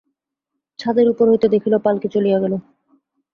ছাদের উপর হইতে দেখিল, পাল্কী চলিয়া গেল।